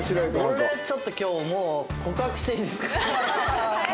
俺ちょっと今日もう告白していいですか？